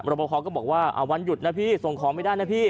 บคอก็บอกว่าวันหยุดนะพี่ส่งของไม่ได้นะพี่